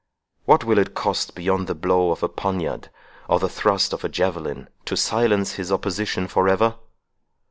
What will it cost beyond the blow of a poniard, or the thrust of a javelin, to silence his opposition for ever?